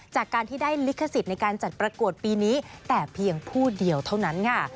จากการที่ได้ลิขสิทธิ์ในการจัดประกวดปีนี้แต่เพียงผู้เดียวเท่านั้นค่ะ